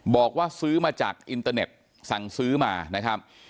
บอกว่าซื้อมาจากอินเตอร์เน็ตสั่งซื้อมานะครับ